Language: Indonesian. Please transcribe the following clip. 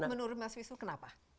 menurut mas wisnu kenapa